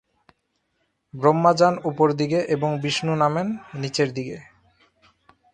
ব্রহ্মা যান উপর দিকে এবং বিষ্ণু নামেন নিচের দিকে।